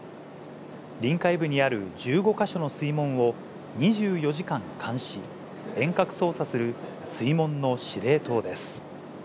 臨海部にある１５か所の水門を、２４時間監視、遠隔操作する、水門の司令塔です。